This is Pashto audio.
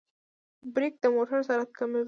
برېک د موټر سرعت کموي.